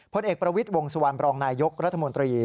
เอกประวิทย์วงสุวรรณบรองนายยกรัฐมนตรี